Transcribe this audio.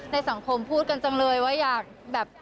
สังคมพูดกันจังเลยว่าอยากแบบ